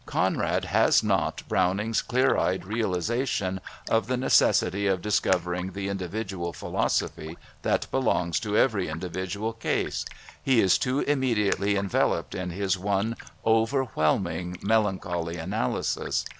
Conrad has not Browning's clear eyed realisation of the necessity of discovering the individual philosophy that belongs to every individual case he is too immediately enveloped in his one overwhelming melancholy analysis.